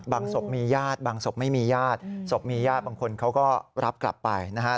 ศพมีญาติบางศพไม่มีญาติศพมีญาติบางคนเขาก็รับกลับไปนะฮะ